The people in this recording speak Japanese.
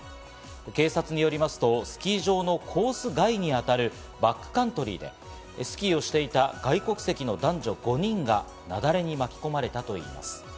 警察によりますと、スキー場のコース外に当たるバックカントリーでスキーをしていた外国籍の男女５人が雪崩に巻き込まれたといいます。